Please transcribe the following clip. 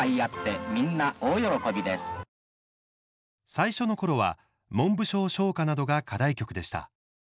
最初のころは文部省唱歌などが課題曲でした。